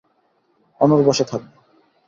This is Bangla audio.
অনড় বসে থাকব।